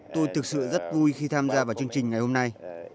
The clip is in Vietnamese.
tôi thực sự rất vui khi tham gia vào chương trình ngày hôm nay